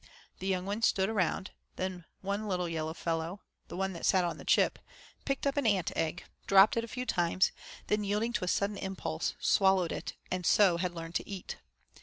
The young ones stood around, then one little yellow fellow, the one that sat on the chip, picked up an ant egg, dropped it a few times, then yielding to a sudden impulse, swallowed it, and so had learned to eat.